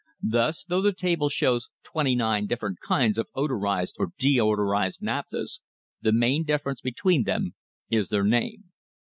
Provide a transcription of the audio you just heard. Thus, though the table shows twenty nine different kinds of odorised or deodorised naph thas, the main difference between them is their name.